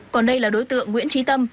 còn đây là đối tượng nguyễn trí tâm